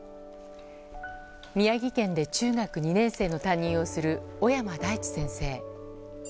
宮城県で中学２年生の担任をする小山大知先生。